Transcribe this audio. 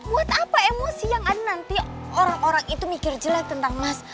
buat apa emosi yang ada nanti orang orang itu mikir jelek tentang mas